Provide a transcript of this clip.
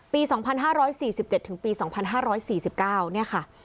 ปี๒๕๔๗ถึงปี๒๕๔๙เนี่ยค่ะ